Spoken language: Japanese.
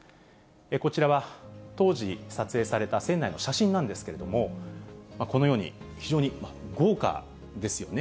こちらは当時、撮影された船内の写真なんですけれども、このように、非常に豪華ですよね。